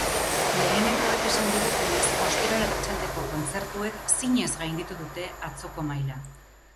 Lehenengoek esan digutenez, ostiral arratsaldeko kontzertuek zinez gainditu dute atzoko maila.